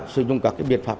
sử dụng các biệt pháp